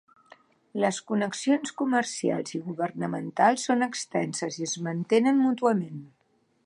Les connexions comercials i governamentals són extenses i es mantenen mútuament.